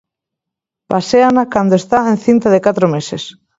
Paséana cando está encinta de catro meses.